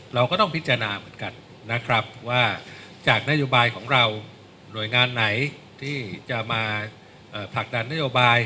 เราก็ต้องพิจารณาเหมือนกันนะครับว่าจากนโยบายของเราหน่วยงานไหนที่จะมาผลักดันนโยบาย